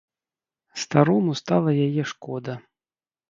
Старому стала яе шкода.